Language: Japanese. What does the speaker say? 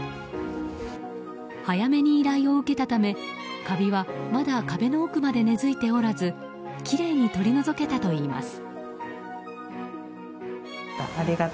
早めに依頼を受けたためカビは、まだ壁の奥まで根付いておらずきれいに取り除けたといいます。